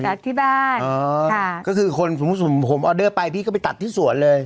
ที่บ้านอ๋อค่ะก็คือคนสมมุติผมออเดอร์ไปพี่ก็ไปตัดที่สวนเลย